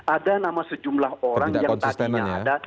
ada nama sejumlah orang yang tadinya ada